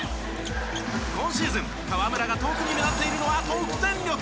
今シーズン河村が特に目立っているのは得点力。